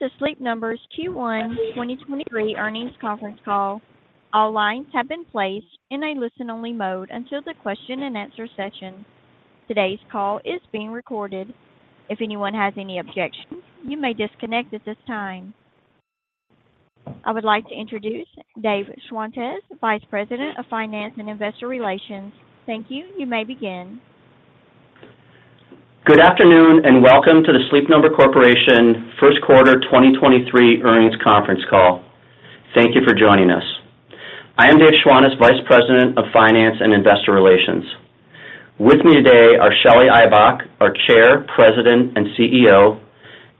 Welcome to Sleep Number's Q1 2023 Earnings Conference Call. All lines have been placed in a listen-only mode until the question-and-answer session. Today's call is being recorded. If anyone has any objections, you may disconnect at this time. I would like to introduce Dave Schwantes, Vice President of Finance and Investor Relations. Thank you. You may begin. Good afternoon, and welcome to the Sleep Number Corporation First Quarter 2023 Earnings Conference Call. Thank you for joining us. I am Dave Schwantes, Vice President of Finance and Investor Relations. With me today are Shelly Ibach, our Chair, President, and CEO,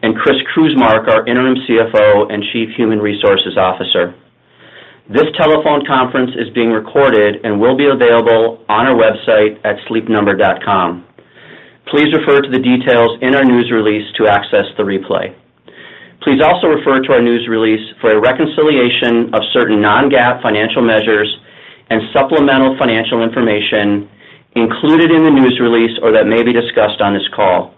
and Chris Krusmark, our interim CFO and Chief Human Resources Officer. This telephone conference is being recorded and will be available on our website at sleepnumber.com. Please refer to the details in our news release to access the replay. Please also refer to our news release for a reconciliation of certain non-GAAP financial measures and supplemental financial information included in the news release or that may be discussed on this call.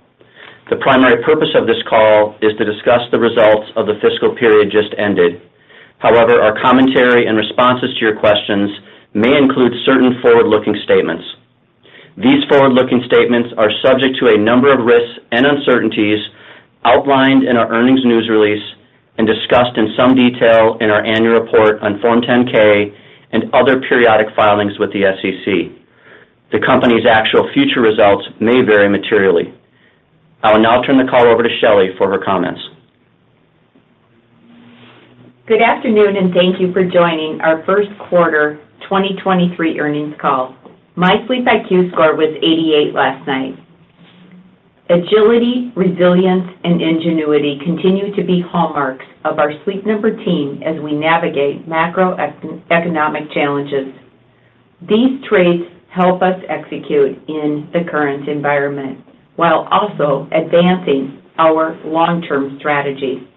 The primary purpose of this call is to discuss the results of the fiscal period just ended. However, our commentary and responses to your questions may include certain forward-looking statements. These forward-looking statements are subject to a number of risks and uncertainties outlined in our earnings news release and discussed in some detail in our annual report on Form 10-K and other periodic filings with the SEC. The company's actual future results may vary materially. I will now turn the call over to Shelly for her comments. Good afternoon, and thank you for joining our first quarter 2023 earnings call. My SleepIQ score was 88 last night. Agility, resilience, and ingenuity continue to be hallmarks of our Sleep Number team as we navigate macroeconomic challenges. These traits help us execute in the current environment while also advancing our long-term strategy.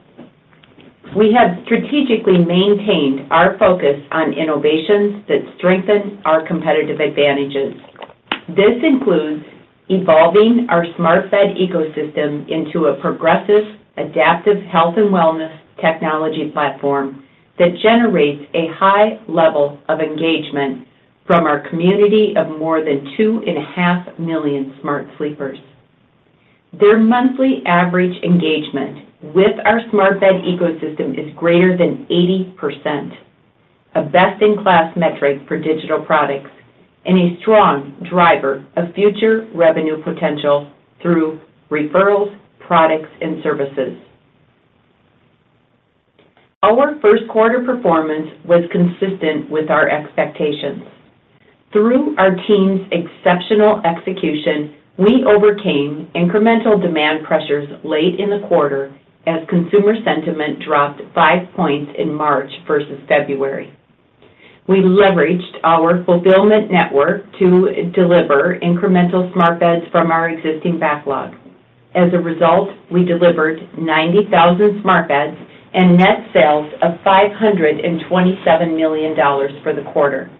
We have strategically maintained our focus on innovations that strengthen our competitive advantages. This includes evolving our smart bed ecosystem into a progressive, adaptive health and wellness technology platform that generates a high level of engagement from our community of more than 2.5 million smart sleepers. Their monthly average engagement with our smart bed ecosystem is greater than 80%, a best-in-class metric for digital products and a strong driver of future revenue potential through referrals, products, and services. Our first quarter performance was consistent with our expectations. Through our team's exceptional execution, we overcame incremental demand pressures late in the quarter as consumer sentiment dropped five points in March versus February. We leveraged our fulfillment network to deliver incremental smart beds from our existing backlog. As a result, we delivered 90,000 smart beds and net sales of $527 million for the quarter.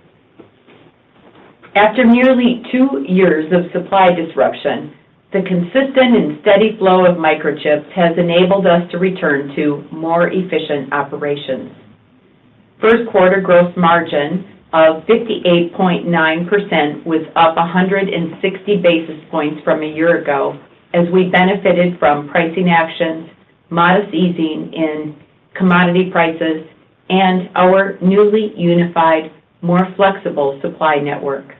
After nearly two years of supply disruption, the consistent and steady flow of microchips has enabled us to return to more efficient operations. First quarter gross margin of 58.9% was up 160 basis points from a year ago as we benefited from pricing actions, modest easing in commodity prices, and our newly unified, more flexible supply network.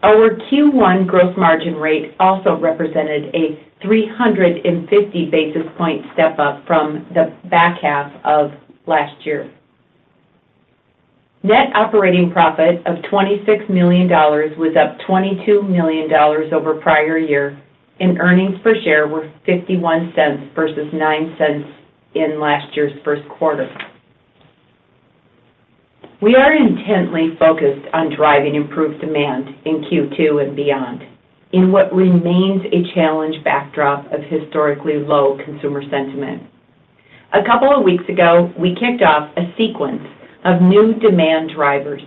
Our Q1 gross margin rate also represented a 350 basis point step-up from the back half of last year. Net operating profit of $26 million was up $22 million over prior year, and earnings per share were $0.51 versus $0.09 in last year's first quarter. We are intently focused on driving improved demand in Q2 and beyond in what remains a challenged backdrop of historically low consumer sentiment. A couple of weeks ago, we kicked off a sequence of new demand drivers,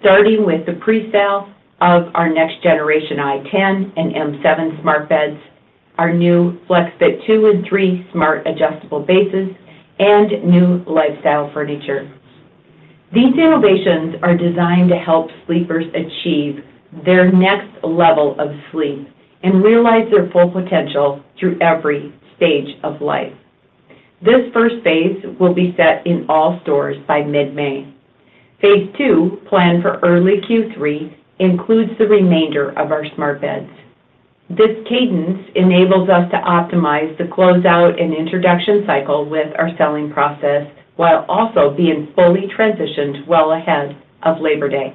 starting with the presale of our next generation i10 and m7 smart beds, our new FlexFit 2 and 3 smart adjustable bases, and new lifestyle furniture. These innovations are designed to help sleepers achieve their next level of sleep and realize their full potential through every stage of life. This first phase will be set in all stores by mid-May. Phase 2, planned for early Q3, includes the remainder of our smart beds. This cadence enables us to optimize the closeout and introduction cycle with our selling process while also being fully transitioned well ahead of Labor Day.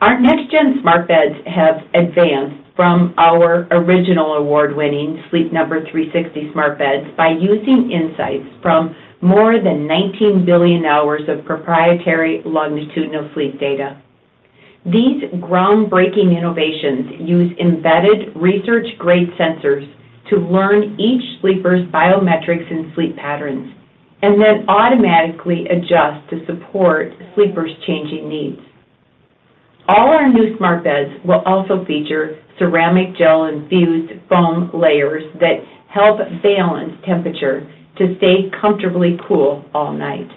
Our next-gen smart beds have advanced from our original award-winning Sleep Number 360 smart beds by using insights from more than 19 billion hours of proprietary longitudinal sleep data. These groundbreaking innovations use embedded research-grade sensors to learn each sleeper's biometrics and sleep patterns and then automatically adjust to support sleepers' changing needs. All our new smart beds will also feature ceramic gel-infused foam layers that help balance temperature to stay comfortably cool all night.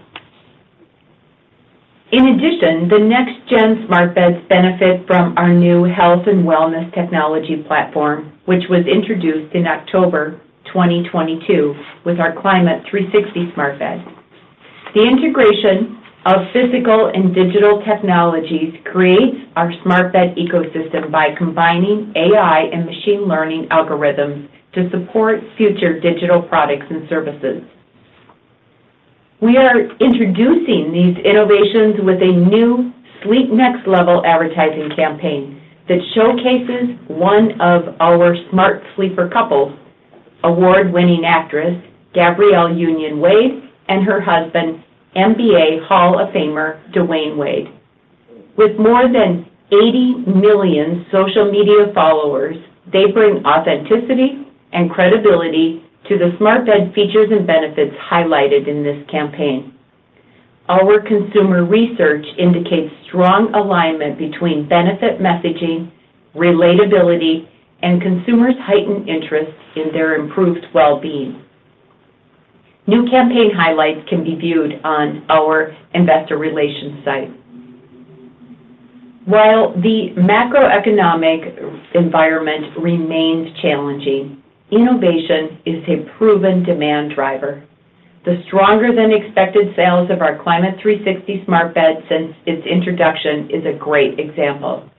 The next-gen smart beds benefit from our new health and wellness technology platform, which was introduced in October 2022 with our Climate360 smart bed. The integration of physical and digital technologies creates our smart bed ecosystem by combining AI and machine learning algorithms to support future digital products and services. We are introducing these innovations with a new Sleep Next Level advertising campaign that showcases one of our smart sleeper couples, award-winning actress Gabrielle Union-Wade and her husband, NBA Hall of Famer Dwyane Wade. With more than 80 million social media followers, they bring authenticity and credibility to the smart bed features and benefits highlighted in this campaign. Our consumer research indicates strong alignment between benefit messaging, relatability, and consumers' heightened interest in their improved well-being. New campaign highlights can be viewed on our investor relations site. While the macroeconomic environment remains challenging, innovation is a proven demand driver. The stronger than expected sales of our Climate360 smart bed since its introduction is a great example.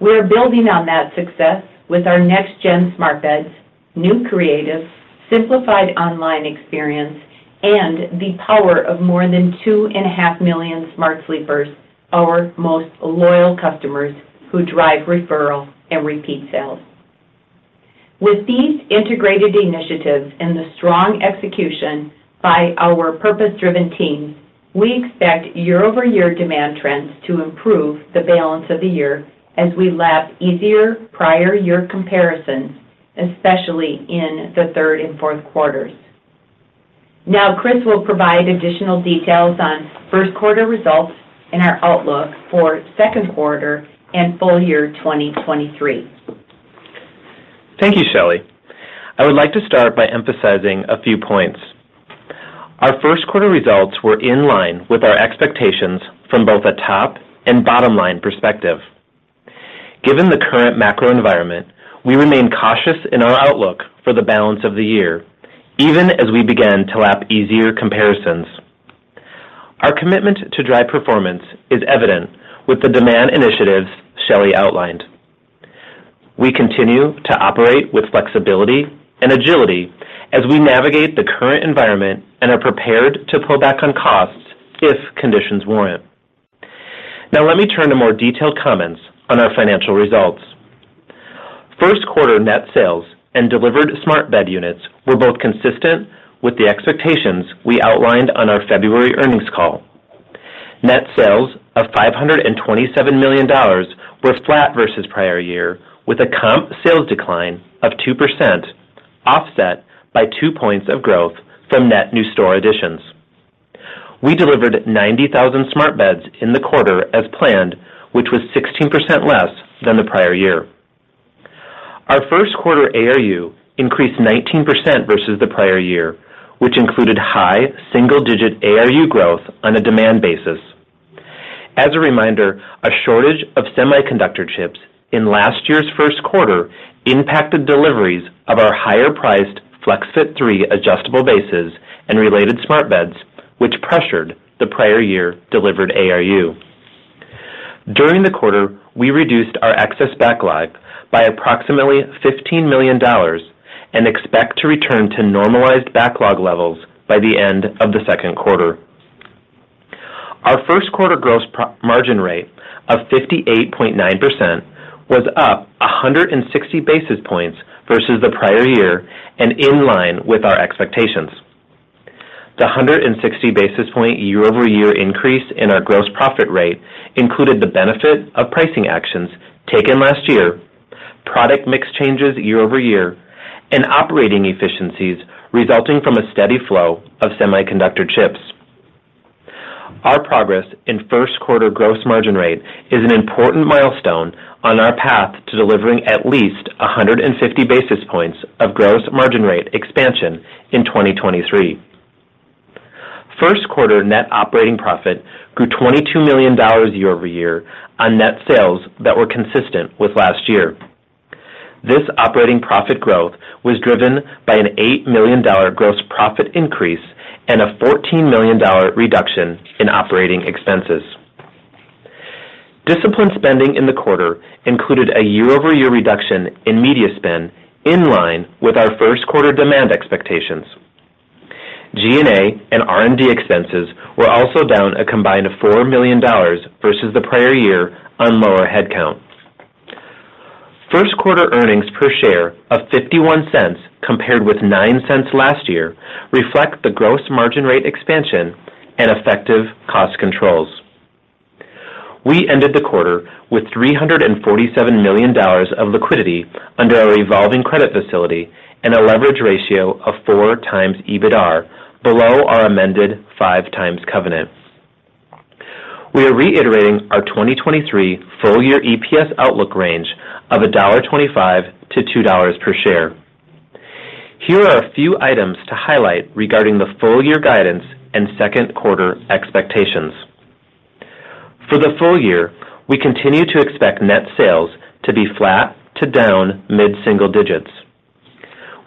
We are building on that success with our next-gen smart beds, new creative, simplified online experience, and the power of more than 2.5 million smart sleepers, our most loyal customers who drive referral and repeat sales. With these integrated initiatives and the strong execution by our purpose-driven teams, we expect year-over-year demand trends to improve the balance of the year as we lap easier prior year comparisons, especially in the third and fourth quarters. Chris will provide additional details on first quarter results and our outlook for second quarter and full year 2023. Thank you, Shelly. I would like to start by emphasizing a few points. Our first quarter results were in line with our expectations from both a top and bottom-line perspective. Given the current macro environment, we remain cautious in our outlook for the balance of the year, even as we begin to lap easier comparisons. Our commitment to drive performance is evident with the demand initiatives Shelly outlined. We continue to operate with flexibility and agility as we navigate the current environment and are prepared to pull back on costs if conditions warrant. Now let me turn to more detailed comments on our financial results. First quarter net sales and delivered smart bed units were both consistent with the expectations we outlined on our February earnings call. Net sales of $527 million were flat versus prior year, with a comp sales decline of 2% offset by two points of growth from net new store additions. We delivered 90,000 smart beds in the quarter as planned, which was 16% less than the prior year. Our first quarter ARU increased 19% versus the prior year, which included high single-digit ARU growth on a demand basis. As a reminder, a shortage of semiconductor chips in last year's first quarter impacted deliveries of our higher-priced FlexFit 3 adjustable bases and related smart beds, which pressured the prior year delivered ARU. During the quarter, we reduced our excess backlog by approximately $15 million and expect to return to normalized backlog levels by the end of the second quarter. Our first quarter gross profit margin rate of 58.9% was up 160 basis points versus the prior year and in line with our expectations. The 160 basis point year-over-year increase in our gross profit rate included the benefit of pricing actions taken last year, product mix changes year-over-year, and operating efficiencies resulting from a steady flow of semiconductor chips. Our progress in first quarter gross margin rate is an important milestone on our path to delivering at least 150 basis points of gross margin rate expansion in 2023. First quarter net operating profit grew $22 million year-over-year on net sales that were consistent with last year. This operating profit growth was driven by an $8 million gross profit increase and a $14 million reduction in operating expenses. Disciplined spending in the quarter included a year-over-year reduction in media spend in line with our first quarter demand expectations. G&A and R&D expenses were also down a combined $4 million versus the prior year on lower headcount. First quarter earnings per share of $0.51 compared with $0.09 last year reflect the gross margin rate expansion and effective cost controls. We ended the quarter with $347 million of liquidity under our revolving credit facility and a leverage ratio of four times EBITR. Below our amended 5x covenant, we are reiterating our 2023 full-year EPS outlook range of $1.25-$2.00 per share. Here are a few items to highlight regarding the full-year guidance and second quarter expectations. For the full year, we continue to expect net sales to be flat to down mid-single digits.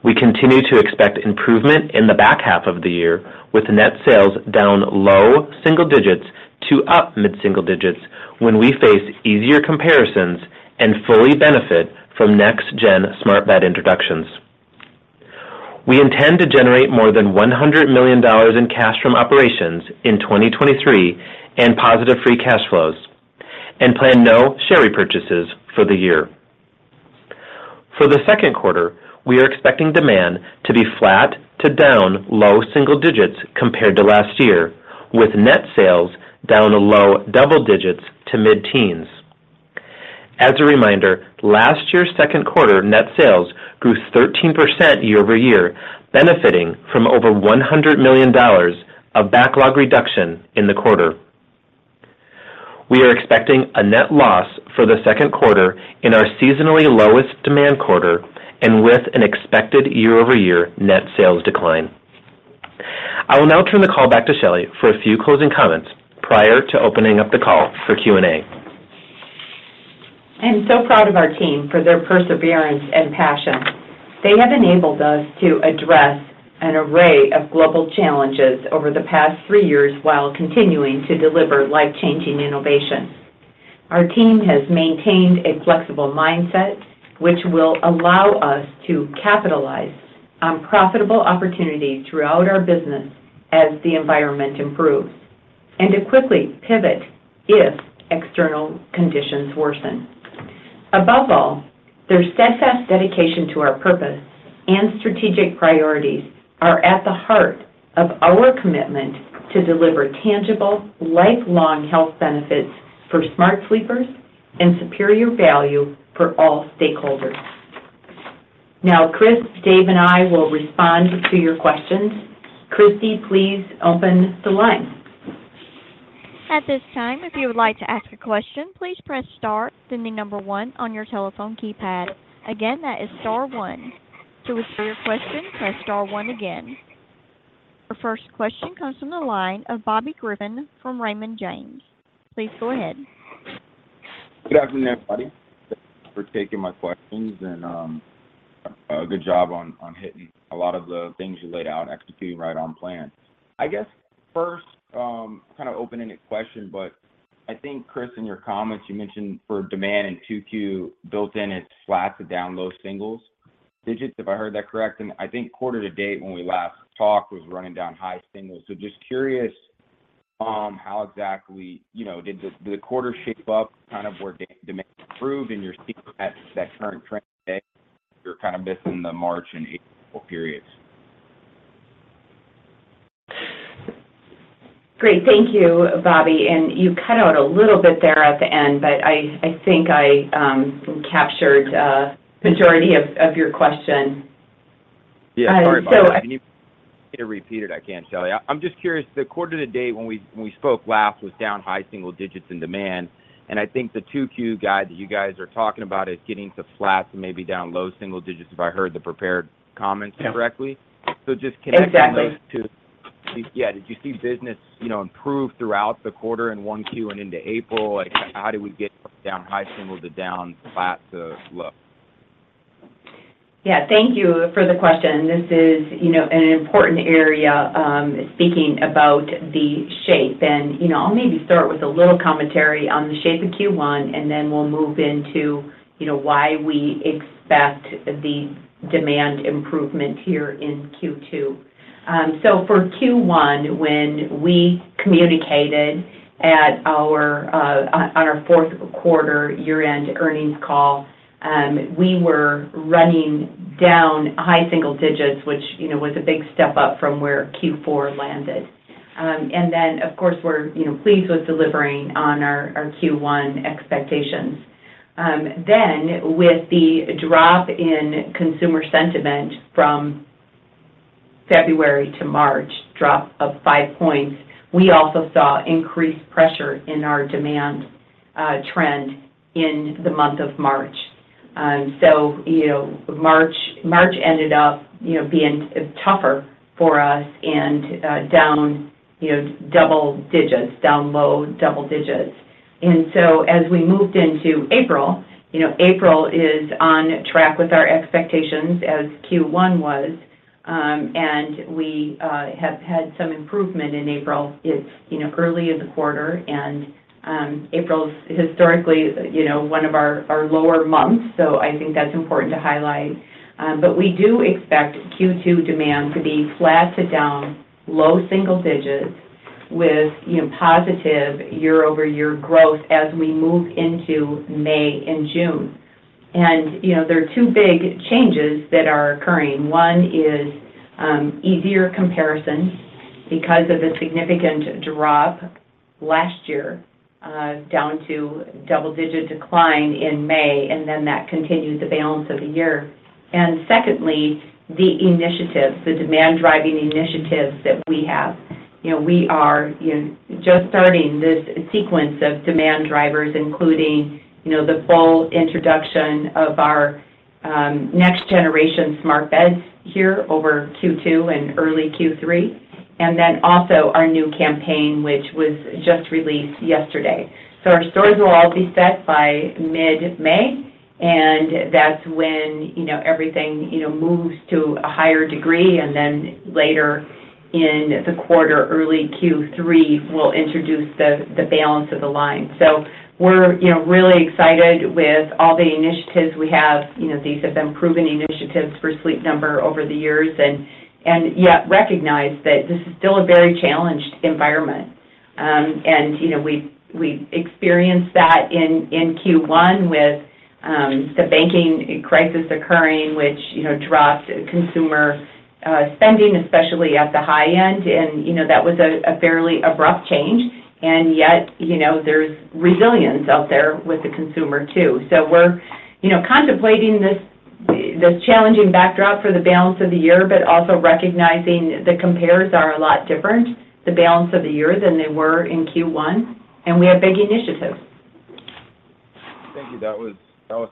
We continue to expect improvement in the back half of the year, with net sales down low single digits% to up mid-single digits% when we face easier comparisons and fully benefit from next-gen smart bed introductions. We intend to generate more than $100 million in cash from operations in 2023 and positive free cash flows and plan no share repurchases for the year. For the second quarter, we are expecting demand to be flat to down low single digits% compared to last year, with net sales down low double digits% to mid-teens%. As a reminder, last year's second quarter net sales grew 13% year-over-year, benefiting from over $100 million of backlog reduction in the quarter. We are expecting a net loss for the second quarter in our seasonally lowest demand quarter and with an expected year-over-year net sales decline. I will now turn the call back to Shelly for a few closing comments prior to opening up the call for Q&A. I am so proud of our team for their perseverance and passion. They have enabled us to address an array of global challenges over the past three years while continuing to deliver life-changing innovations. Our team has maintained a flexible mindset, which will allow us to capitalize on profitable opportunities throughout our business as the environment improves and to quickly pivot if external conditions worsen. Above all, their steadfast dedication to our purpose and strategic priorities are at the heart of our commitment to deliver tangible, lifelong health benefits for smart sleepers and superior value for all stakeholders. Chris, Dave, and I will respond to your questions. Christy, please open the line. At this time, if you would like to ask a question, please press star, then the number one on your telephone keypad. Again, that is star one. To withdraw your question, press star one again. Our first question comes from the line of Bobby Griffin from Raymond James. Please go ahead. Good afternoon, everybody. Thank you for taking my questions, and good job on hitting a lot of the things you laid out executing right on plan. I guess first, kind of open-ended question, but I think, Chris, in your comments, you mentioned for demand in 2Q built in, it's flat to down low singles digits, if I heard that correct. I think quarter to date when we last talked was running down high singles. Just curious, how exactly, you know, did the quarter shape up kind of where demand improved and you're seeing that current trend today you're kind of missing the March and April periods? Great. Thank you, Bobby. You cut out a little bit there at the end, but I think I captured majority of your question. Yeah. Sorry about it. If you can repeat it, I can, Shelly. I'm just curious, the quarter to date when we, when we spoke last was down high single digits in demand, and I think the 2Q guide that you guys are talking about is getting to flat to maybe down low single digits, if I heard the prepared comments correctly? Yeah. Just connecting those two. Exactly. Yeah. Did you see business, you know, improve throughout the quarter in 1Q and into April? Like, how did we get from down high single to down flat to low? Yeah. Thank you for the question. This is, you know, an important area, speaking about the shape. You know, I'll maybe start with a little commentary on the shape of Q1, and then we'll move into, you know, why we expect the demand improvement here in Q2. For Q1, when we communicated at our on our fourth quarter year-end earnings call, we were running down high single digits, which, you know, was a big step up from where Q4 landed. Then, of course, we're, you know, pleased with delivering on our Q1 expectations. With the drop in consumer sentiment from February to March, drop of five points, we also saw increased pressure in our demand trend in the month of March. March ended up being tougher for us, down double-digits, down low double-digits. As we moved into April is on track with our expectations as Q1 was, we have had some improvement in April. It's early in the quarter, April's historically one of our lower months, so I think that's important to highlight. We do expect Q2 demand to be flat to down low single-digits with positive year-over-year growth as we move into May and June. There are two big changes that are occurring. One is easier comparison because of the significant drop last year, down to double-digit decline in May, that continued the balance of the year. Secondly, the initiatives, the demand-driving initiatives that we have. You know, we are, you know, just starting this sequence of demand drivers, including, you know, the full introduction of our next generation smart beds here over Q2 and early Q3. Then also our new campaign, which was just released yesterday. Our stores will all be set by mid-May, and that's when, you know, everything, you know, moves to a higher degree. Then later in the quarter, early Q3, we'll introduce the balance of the line. We're, you know, really excited with all the initiatives we have. You know, these have been proven initiatives for Sleep Number over the years and yet recognize that this is still a very challenged environment. You know, we've experienced that in Q1 with the banking crisis occurring, which, you know, dropped consumer spending, especially at the high end. You know, that was a fairly abrupt change. Yet, you know, there's resilience out there with the consumer too. We're, you know, contemplating this challenging backdrop for the balance of the year, but also recognizing the compares are a lot different the balance of the year than they were in Q1, and we have big initiatives. Thank you. That was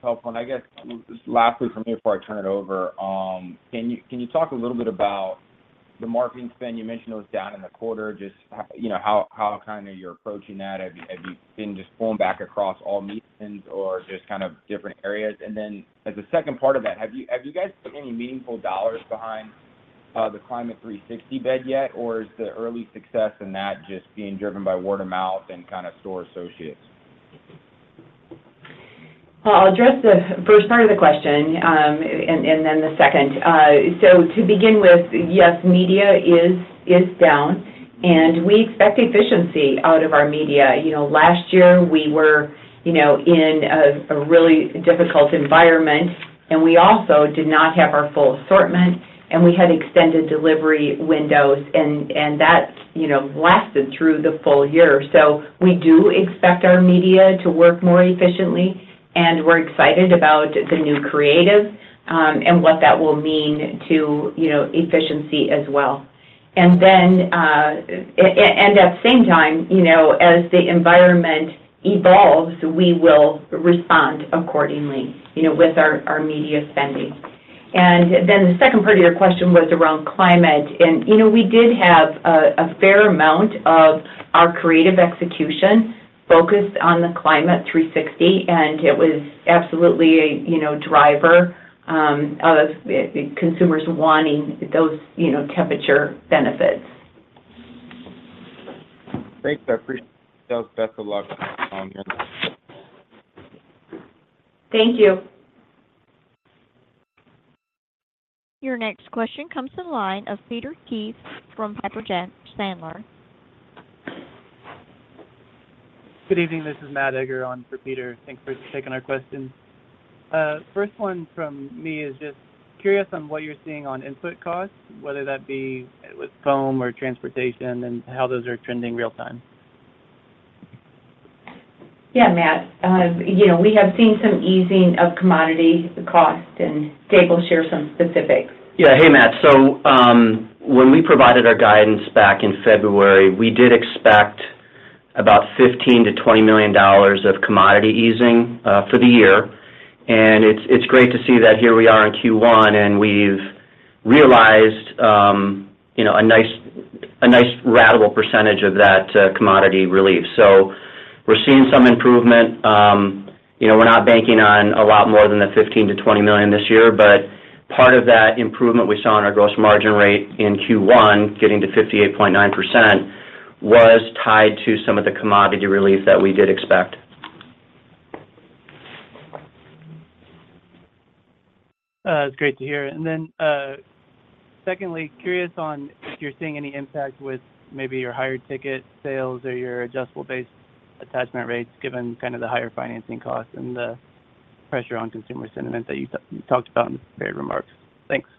helpful. I guess just lastly from me before I turn it over, can you talk a little bit about the marketing spend? You mentioned it was down in the quarter. Just you know, how kinda you're approaching that. Have you been just pulling back across all mediums or just kind of different areas? As a second part of that, have you guys put any meaningful dollars behind the Climate360 bed yet, or is the early success in that just being driven by word of mouth and kinda store associates? I'll address the first part of the question, and then the second. To begin with, yes, media is down, and we expect efficiency out of our media. You know, last year we were, you know, in a really difficult environment, and we also did not have our full assortment, and we had extended delivery windows and that, you know, lasted through the full year. We do expect our media to work more efficiently, and we're excited about the new creative, and what that will mean to, you know, efficiency as well. At the same time, you know, as the environment evolves, we will respond accordingly, you know, with our media spending. The second part of your question was around climate. You know, we did have a fair amount of our creative execution focused on the Climate360, and it was absolutely a, you know, driver of the consumers wanting those, you know, temperature benefits. Thanks. I appreciate it. Best of luck with. Thank you. Your next question comes to the line of Peter Keith from Piper Sandler. Good evening. This is Matthew Egger on for Peter. Thanks for taking our questions. First one from me is just curious on what you're seeing on input costs, whether that be with foam or transportation, and how those are trending real time. Yeah, Matt. You know, we have seen some easing of commodity cost, and Dave will share some specifics. Yeah. Hey, Matt. When we provided our guidance back in February, we did expect about $15 million-$20 million of commodity easing for the year. It's great to see that here we are in Q1, and we've realized, you know, a nice ratable percentage of that commodity relief. We're seeing some improvement. You know, we're not banking on a lot more than the $15 million-$20 million this year, part of that improvement we saw in our gross margin rate in Q1, getting to 58.9%, was tied to some of the commodity relief that we did expect. It's great to hear. Then, secondly, curious on if you're seeing any impact with maybe your higher ticket sales or your adjustable base attachment rates, given kind of the higher financing costs and the pressure on consumer sentiment that you talked about in the prepared remarks? Thanks.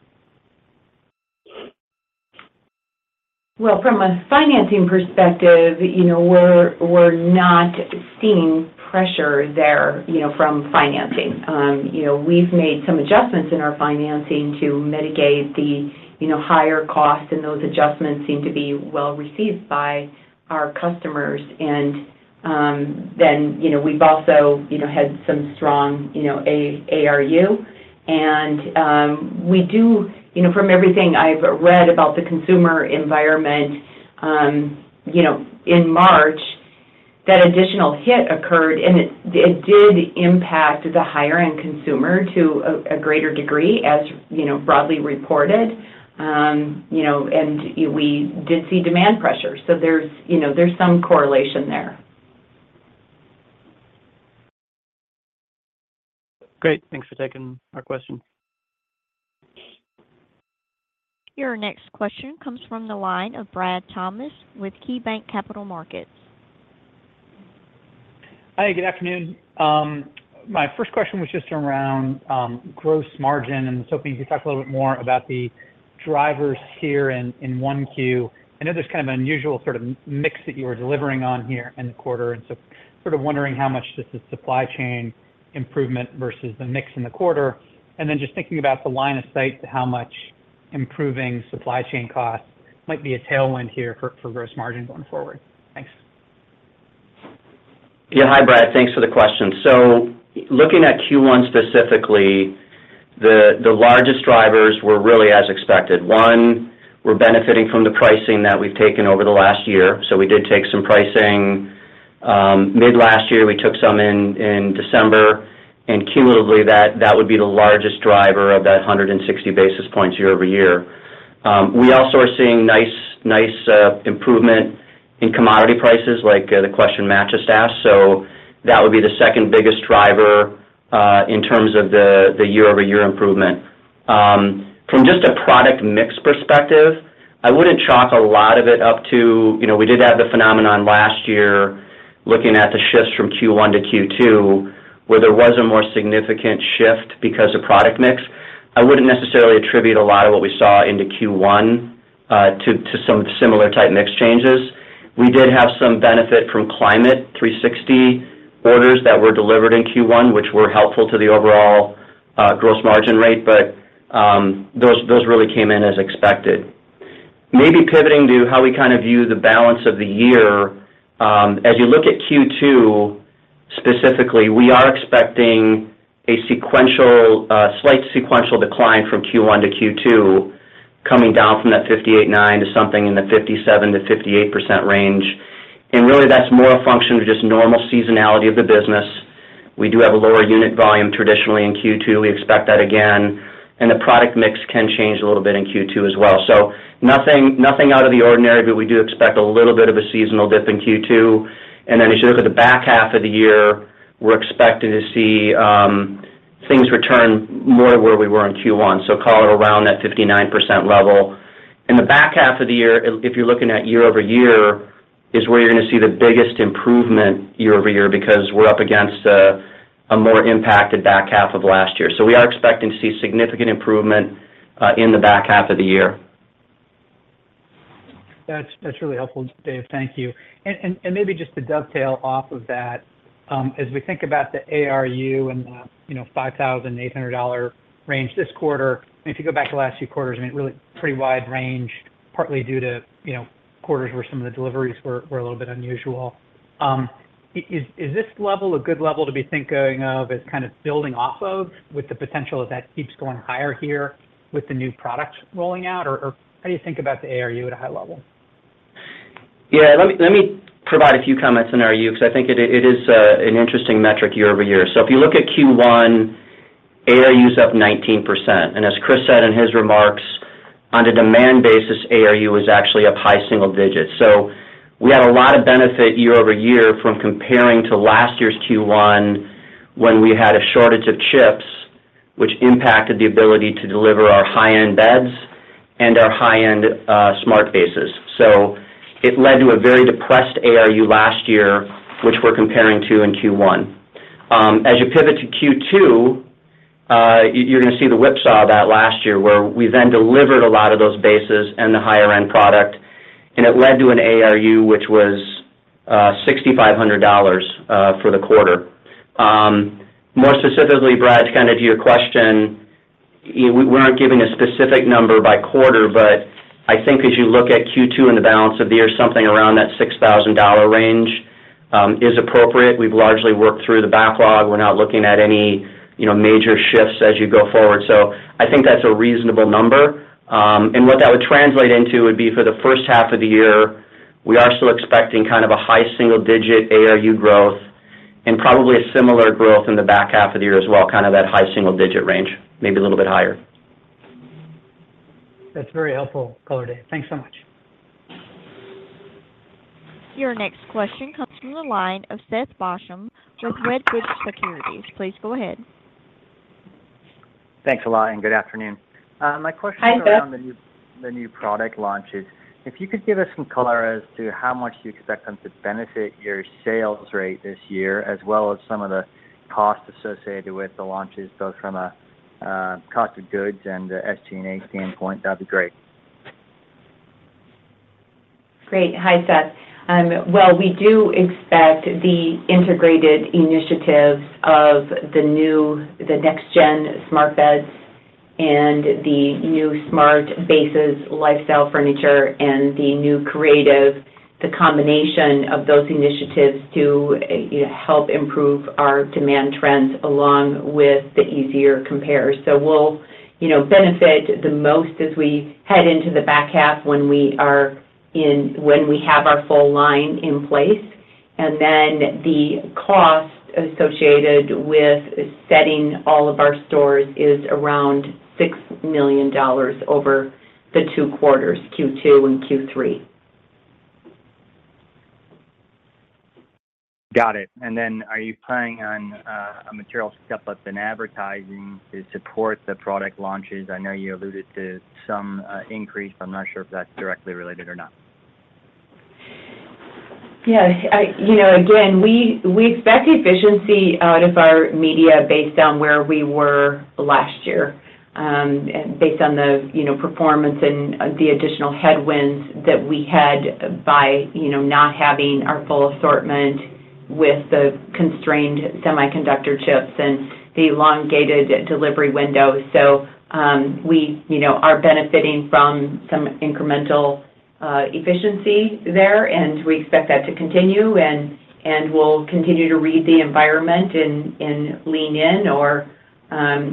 Well, from a financing perspective, you know, we're not seeing pressure there, you know, from financing. You know, we've made some adjustments in our financing to mitigate the, you know, higher costs, those adjustments seem to be well received by our customers. You know, we've also, you know, had some strong, you know, ARU. You know, from everything I've read about the consumer environment, you know, in March, that additional hit occurred, it did impact the higher end consumer to a greater degree as, you know, broadly reported. You know, we did see demand pressure, there's, you know, there's some correlation there. Great. Thanks for taking our question. Your next question comes from the line of Brad Thomas with KeyBanc Capital Markets. Hi, good afternoon. My first question was just around gross margin. I was hoping you could talk a little bit more about the drivers here in 1Q. I know there's kind of an unusual sort of mix that you were delivering on here in the quarter. Sort of wondering how much this is supply chain improvement versus the mix in the quarter. Just thinking about the line of sight to how much improving supply chain costs might be a tailwind here for gross margin going forward. Thanks. Yeah. Hi, Brad. Thanks for the question. Looking at Q1 specifically, the largest drivers were really as expected. One, we're benefiting from the pricing that we've taken over the last year, so we did take some pricing mid last year. We took some in December. Cumulatively, that would be the largest driver of that 160 basis points year-over-year. We also are seeing nice improvement in commodity prices like the question matches to ask. That would be the second biggest driver in terms of the year-over-year improvement. From just a product mix perspective, I wouldn't chalk a lot of it up to-- You know, we did have the phenomenon last year looking at the shifts from Q1 to Q2, where there was a more significant shift because of product mix. I wouldn't necessarily attribute a lot of what we saw into Q1 to some similar type mix changes. We did have some benefit from Climate360 orders that were delivered in Q1, which were helpful to the overall gross margin rate, but those really came in as expected. Maybe pivoting to how we kind of view the balance of the year, as you look at Q2 specifically, we are expecting a sequential slight sequential decline from Q1 to Q2 coming down from that 58.9 to something in the 57%-58% range. Really, that's more a function of just normal seasonality of the business. We do have a lower unit volume traditionally in Q2. We expect that again, the product mix can change a little bit in Q2 as well. Nothing, nothing out of the ordinary, but we do expect a little bit of a seasonal dip in Q2. As you look at the back half of the year, we're expecting to see things return more to where we were in Q1, so call it around that 59% level. In the back half of the year, if you're looking at year-over-year, is where you're gonna see the biggest improvement year-over-year because we're up against a more impacted back half of last year. We are expecting to see significant improvement in the back half of the year. That's really helpful, Dave. Thank you. Maybe just to dovetail off of that, as we think about the ARU and the, you know, $5,800 range this quarter, and if you go back to the last few quarters, I mean, really pretty wide range, partly due to, you know, quarters where some of the deliveries were a little bit unusual. Is this level a good level to be thinking of as kind of building off of with the potential that that keeps going higher here with the new products rolling out? Or how do you think about the ARU at a high level? Yeah. Let me provide a few comments on ARU because I think it is an interesting metric year-over-year. If you look at Q1, ARU is up 19%. As Chris said in his remarks, on a demand basis, ARU is actually up high single digits. We had a lot of benefit year-over-year from comparing to last year's Q1 when we had a shortage of chips, which impacted the ability to deliver our high-end beds and our high-end smart bases. It led to a very depressed ARU last year, which we're comparing to in Q1. As you pivot to Q2, you're gonna see the whipsaw of that last year, where we then delivered a lot of those bases and the higher end product, and it led to an ARU which was $6,500 for the quarter. More specifically, Brad, kind of to your question, we aren't giving a specific number by quarter, but I think as you look at Q2 and the balance of the year, something around that $6,000 range is appropriate. We've largely worked through the backlog. We're not looking at any, you know, major shifts as you go forward. I think that's a reasonable number. What that would translate into would be for the first half of the year, we are still expecting kind of a high single digit ARU growth and probably a similar growth in the back half of the year as well, kind of that high single digit range, maybe a little bit higher. That's very helpful color, Dave. Thanks so much. Your next question comes from the line of Seth Basham with Wedbush Securities. Please go ahead. Thanks a lot, and good afternoon. Hi, Seth. My question is around the new product launches. If you could give us some color as to how much you expect them to benefit your sales rate this year as well as some of the costs associated with the launches, both from a cost of goods and a SG&A standpoint, that'd be great. Great. Hi, Seth. Well, we do expect the integrated initiatives of the new, the next-gen smart beds and the new smart bases, lifestyle furniture, and the new creative, the combination of those initiatives to, you know, help improve our demand trends along with the easier compare. We'll, you know, benefit the most as we head into the back half when we have our full line in place. The cost associated with setting all of our stores is around $6 million over the two quarters, Q2 and Q3. Got it. Are you planning on a material step-up in advertising to support the product launches? I know you alluded to some increase. I'm not sure if that's directly related or not. I, you know, again, we expect efficiency out of our media based on where we were last year, and based on the, you know, performance and the additional headwinds that we had by, you know, not having our full assortment with the constrained semiconductor chips and the elongated delivery window. We, you know, are benefiting from some incremental efficiency there, and we expect that to continue, and we'll continue to read the environment and,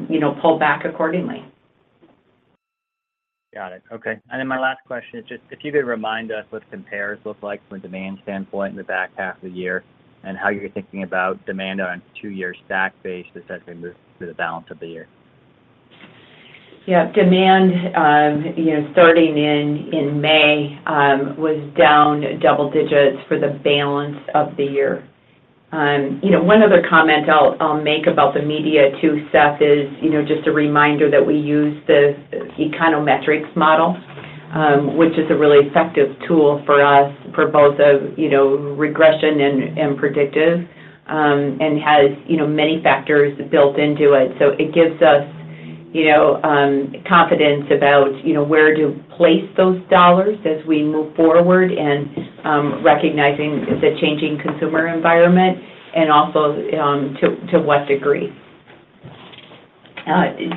you know, pull back accordingly. Got it. Okay. My last question is just if you could remind us what compares look like from a demand standpoint in the back half of the year and how you're thinking about demand on two-year stack base as that kind of moves through the balance of the year? Yeah. Demand, you know, starting in May, was down double digits for the balance of the year. You know, one other comment I'll make about the media too, Seth, is, you know, just a reminder that we use this econometrics model, which is a really effective tool for us for both of, you know, regression and predictive, and has, you know, many factors built into it. It gives us, you know, confidence about, you know, where to place those dollars as we move forward and, recognizing the changing consumer environment and also, to what degree.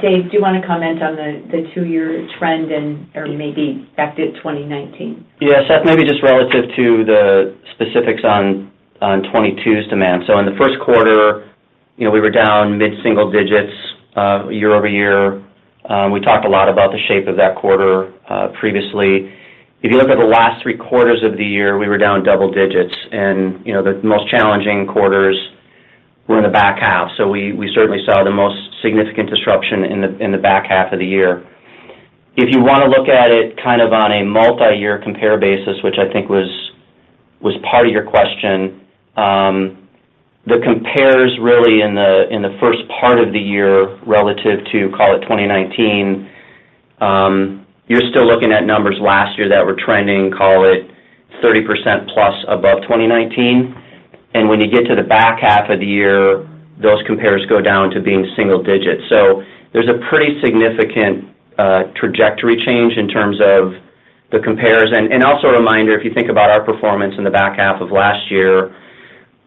Dave, do you wanna comment on the two-year trend or maybe back to 2019? Yeah, Seth, maybe just relative to the specifics on 2022's demand. In the first quarter, you know, we were down mid-single digits year-over-year. We talked a lot about the shape of that quarter previously. If you look at the last three quarters of the year, we were down double digits. You know, the most challenging quarters were in the back half. We certainly saw the most significant disruption in the back half of the year. If you wanna look at it kind of on a multiyear compare basis, which I think was part of your question, the compares really in the first part of the year relative to, call it, 2019, you're still looking at numbers last year that were trending, call it, 30% plus above 2019. When you get to the back half of the year, those compares go down to being single digits. There's a pretty significant trajectory change in terms of the compares. Also a reminder, if you think about our performance in the back half of last year,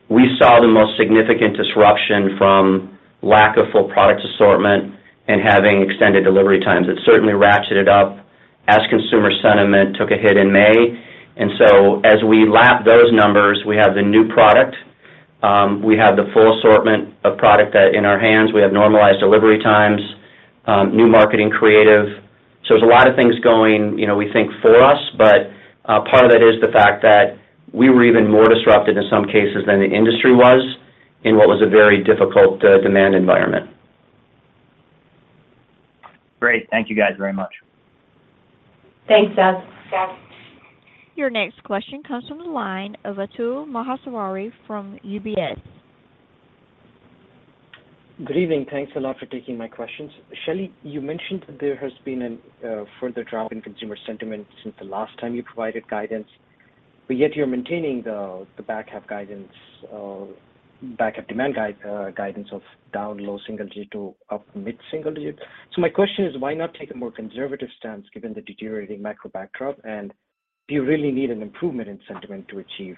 we saw the most significant disruption from lack of full product assortment and having extended delivery times. It certainly ratcheted up as consumer sentiment took a hit in May. As we lap those numbers, we have the new product, we have the full assortment of product in our hands, we have normalized delivery times, new marketing creative. There's a lot of things going, you know, we think for us, but part of that is the fact that we were even more disrupted in some cases than the industry was in what was a very difficult demand environment. Great. Thank you guys very much. Thanks, Seth. Your next question comes from the line of Atul Maheshwari from UBS. Good evening. Thanks a lot for taking my questions. Shelly, you mentioned that there has been a further drop in consumer sentiment since the last time you provided guidance, yet you're maintaining the back half guidance of back half demand guide guidance of down low single-digit to up mid-single digits. My question is, why not take a more conservative stance given the deteriorating macro backdrop? Do you really need an improvement in sentiment to achieve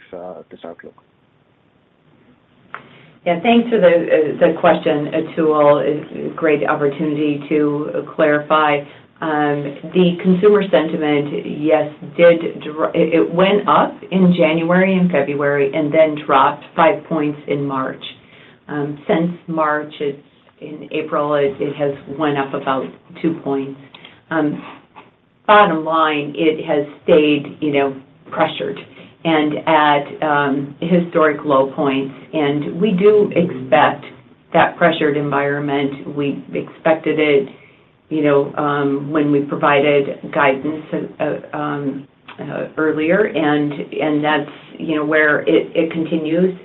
this outlook? Yeah. Thanks for the question, Atul. It's a great opportunity to clarify. The consumer sentiment, yes, it went up in January and February, and then dropped five points in March. Since March, in April, it has went up about two points. Bottom line, it has stayed, you know, pressured and at historic low points. We do expect that pressured environment. We expected it, you know, when we provided guidance earlier, and that's, you know, where it continues.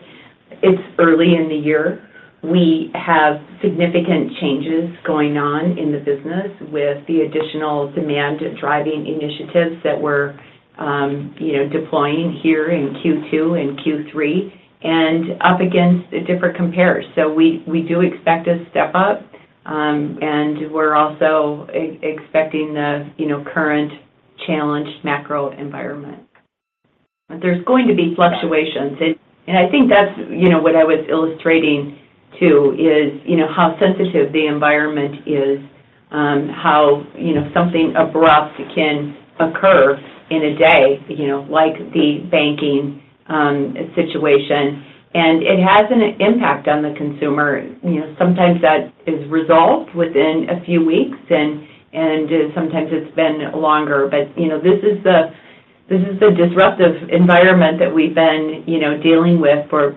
It's early in the year. We have significant changes going on in the business with the additional demand-driving initiatives that we're, you know, deploying here in Q2 and Q3 and up against different compares. We do expect a step up, and we're also expecting the, you know, current challenged macro environment. There's going to be fluctuations. I think that's, you know, what I was illustrating, too, is, you know, how sensitive the environment is, how, you know, something abrupt can occur in a day, you know, like the banking, situation. It has an impact on the consumer. You know, sometimes that is resolved within a few weeks and, sometimes it's been longer. You know, this is the disruptive environment that we've been, you know, dealing with for,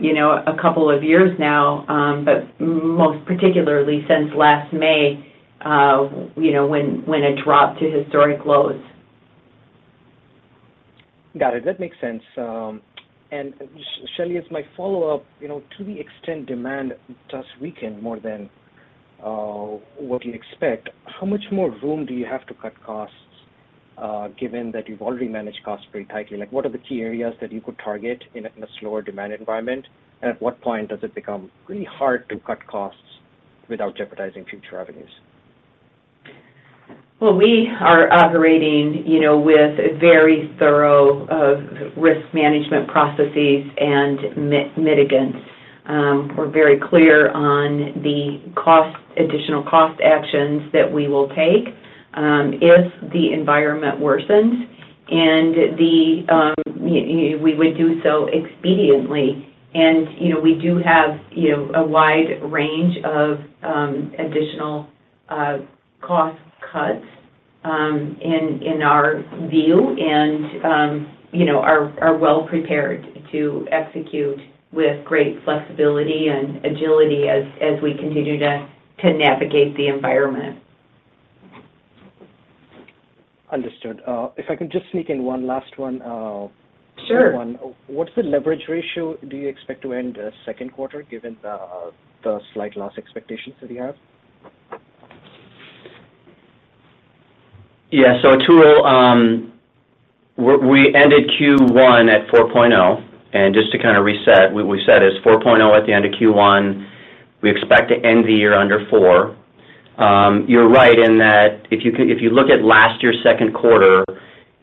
you know, a couple of years now, but most particularly since last May, you know, when it dropped to historic lows. Got it. That makes sense. Shelly, as my follow-up, you know, to the extent demand does weaken, what do you expect? How much more room do you have to cut costs, given that you've already managed costs pretty tightly? Like, what are the key areas that you could target in a slower demand environment? At what point does it become really hard to cut costs without jeopardizing future revenues? Well, we are operating, you know, with very thorough risk management processes and mitigants. We're very clear on the cost, additional cost actions that we will take if the environment worsens and you know, we would do so expediently. You know, we do have, you know, a wide range of additional cost cuts in our view and well prepared to execute with great flexibility and agility as we continue to navigate the environment. Understood. If I can just sneak in one last one. Sure. What's the leverage ratio do you expect to end second quarter given the slight loss expectations that you have? Yeah. Atul, we ended Q1 at 4.0. Just to kind of reset, we said it's 4.0 at the end of Q1. We expect to end the year under four. you're right in that if you look at last year's second quarter,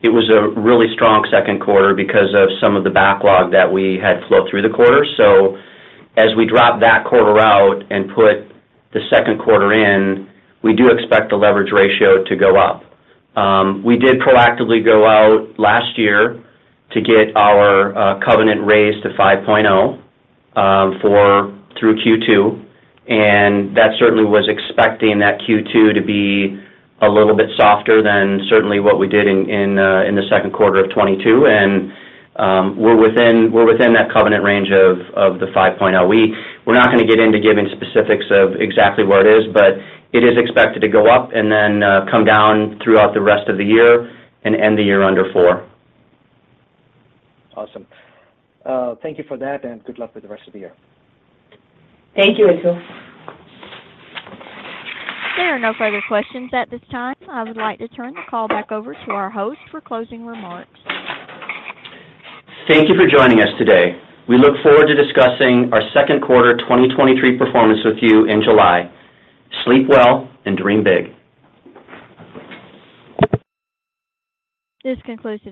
it was a really strong second quarter because of some of the backlog that we had flowed through the quarter. as we drop that quarter out and put the second quarter in, we do expect the leverage ratio to go up. we did proactively go out last year to get our covenant raised to 5.0 for through Q2, and that certainly was expecting that Q2 to be a little bit softer than certainly what we did in the second quarter of 2022. We're within that covenant range of the 5.0. We're not gonna get into giving specifics of exactly where it is, but it is expected to go up and then come down throughout the rest of the year and end the year under four. Awesome. Thank you for that, and good luck with the rest of the year. Thank you, Atul. There are no further questions at this time. I would like to turn the call back over to our host for closing remarks. Thank you for joining us today. We look forward to discussing our second quarter 2023 performance with you in July. Sleep well and dream big. This concludes today